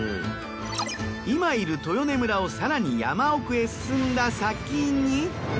今いる豊根村を更に山奥へ進んだ先に。